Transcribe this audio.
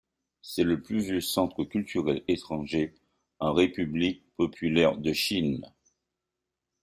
C'est le plus vieux centre culturel étranger en République Populaire de Chine.